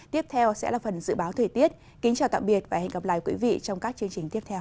tiếp theo sẽ là phần dự báo thời tiết kính chào tạm biệt và hẹn gặp lại quý vị trong các chương trình tiếp theo